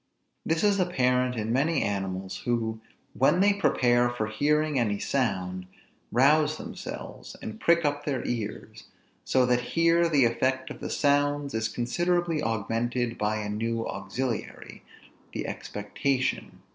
This is apparent in many animals, who, when they prepare for hearing any sound, rouse themselves, and prick up their ears; so that here the effect of the sounds is considerably augmented by a new auxiliary, the expectation.